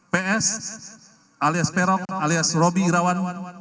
ps alias perong alias robi irawan berada di tempat kejadian